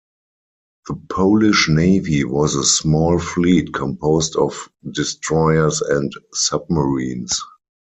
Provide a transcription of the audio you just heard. The Polish Navy was a small fleet composed of destroyers and submarines.